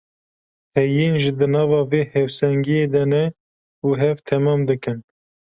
Heyîn jî di nava vê hevsengiyê de ne û hev temam dikin.